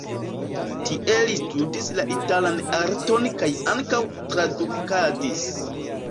Tie li studis la italan arton kaj ankaŭ tradukadis.